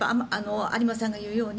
有馬さんが言うように。